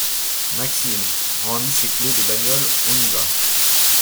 Maxime, rends-lui ses clés de bagnole, on y va.